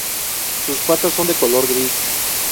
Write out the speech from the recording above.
Sus patas son de color gris.